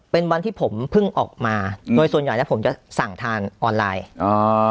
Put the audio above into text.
เป็นวันที่ผมเพิ่งออกมาโดยส่วนใหญ่แล้วผมจะสั่งทางออนไลน์อ๋อ